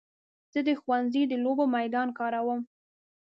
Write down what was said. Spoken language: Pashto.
زه د ښوونځي د لوبو میدان کاروم.